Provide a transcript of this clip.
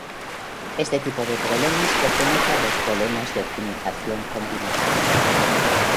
Este tipo de problemas pertenece a los problemas de optimización combinatoria.